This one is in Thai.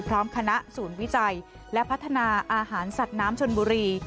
พร้อมคณะศูนย์วิจัยและพัฒนาอาหารสัตว์น้ำชนบุรี